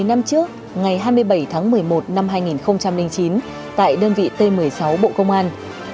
bảy mươi năm trước ngày hai mươi bảy tháng một mươi một năm hai nghìn chín tại đơn vị t một mươi sáu bộ công an